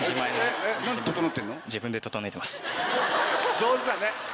上手だね。